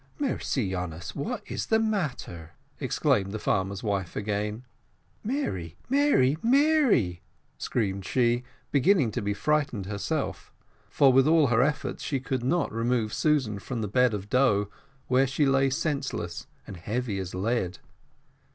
"Mercy on us, what is the matter?" exclaimed the farmer's wife again. "Mary, Mary, Mary!" screamed she, beginning to be frightened herself, for with all her efforts she could not remove Susan from the bed of dough, where she lay senseless and heavy as lead.